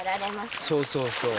そうそうそう。